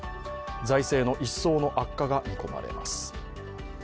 財政の一層の悪化が見込まれます。